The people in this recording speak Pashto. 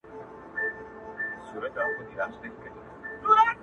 • ستا قدم زموږ یې لېمه خو غریبي ده,